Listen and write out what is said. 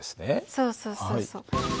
そうそうそうそう。